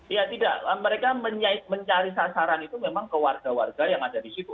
ya tidak mereka mencari sasaran itu memang ke warga warga yang ada di situ